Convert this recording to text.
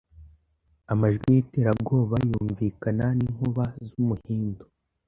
amajwi y'iterabwoba, Yunvikana, nk'inkuba z'umuhindo,